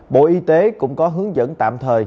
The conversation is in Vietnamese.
bộ y tế cũng có hướng dẫn tạm thời